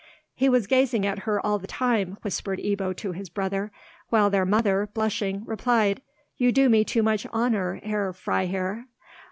"He was gazing at her all the time," whispered Ebbo to his brother; while their mother, blushing, replied, "You do me too much honour, Herr Freiherr."